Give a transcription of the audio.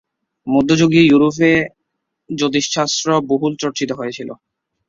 মধ্যযুগীয় ইউরোপে জ্যোতিষশাস্ত্র বহুল চর্চিত হয়েছিল।